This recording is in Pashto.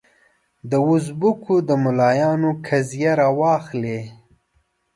دوزبکو د ملایانو قضیه راواخلې.